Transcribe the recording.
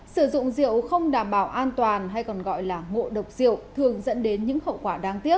sử dụng rượu không đảm bảo an toàn hay còn gọi là ngộ độc rượu thường dẫn đến những hậu quả đáng tiếc